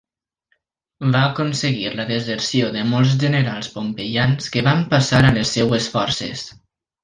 Va aconseguir la deserció de molts generals pompeians que van passar a les seves forces.